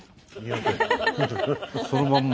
そのまんま。